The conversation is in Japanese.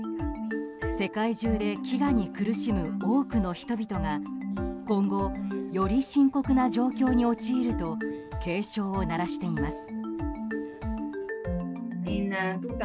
世界中で飢餓に苦しむ多くの人々が今後、より深刻な状況に陥ると警鐘を鳴らしています。